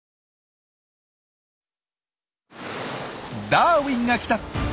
「ダーウィンが来た！」